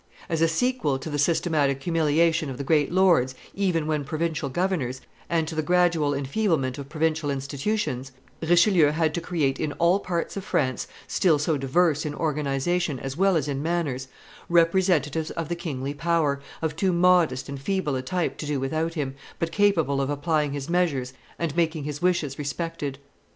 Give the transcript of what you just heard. As a sequel to the systematic humiliation of the great lords, even when provincial governors, and to the gradual enfeeblement of provincial institutions, Richelieu had to create in all parts of France, still so diverse in organization as well as in manners, representatives of the kingly power, of too modest and feeble a type to do without him, but capable of applying his measures and making his wishes respected.